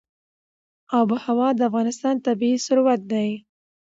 آب وهوا د افغانستان طبعي ثروت دی.